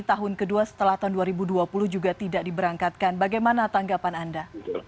tahun kedua setelah tahun dua ribu dua puluh juga tidak diberangkatkan bagaimana tanggapan anda